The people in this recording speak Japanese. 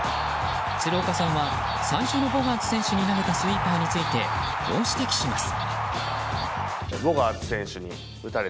鶴岡さんは最初のボガーツ選手に投げたスイーパーについてこう指摘します。